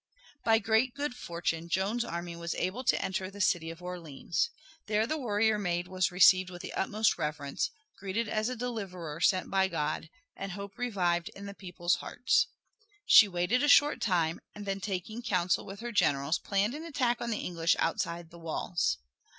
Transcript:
By great good fortune Joan's army was able to enter the city of Orleans. There the warrior maid was received with the utmost reverence, greeted as a deliverer sent by God, and hope revived in the people's hearts. She waited a short time, and then taking counsel with her generals planned an attack on the English outside the walls.